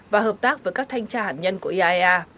và hợp tác với các thanh tra hạt nhân của iaea